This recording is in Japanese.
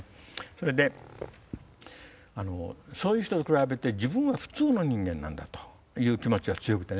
それでそういう人と比べて自分は普通の人間なんだという気持ちが強くてね。